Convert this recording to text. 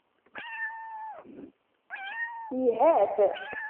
Yhat